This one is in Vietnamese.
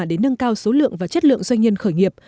để nâng cao số lượng và chất lượng doanh nhân khởi nghiệp